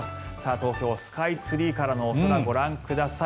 東京スカイツリーからのお空ご覧ください。